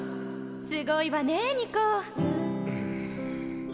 すごいわねニコ！んん。